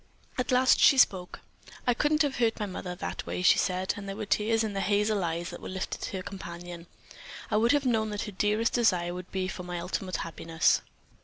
At last she spoke. "I couldn't have hurt my mother that way," she said, and there were tears in the hazel eyes that were lifted to her companion. "I would have known that her dearest desire would be for my ultimate happiness."